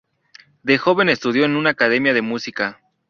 De joven estudió en una Academia de Música.